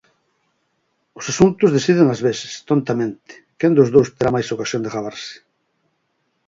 Os asuntos deciden ás veces, tontamente, quen dos dous terá máis ocasión de gabarse.